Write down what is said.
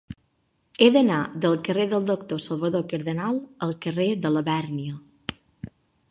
He d'anar del carrer del Doctor Salvador Cardenal al carrer de Labèrnia.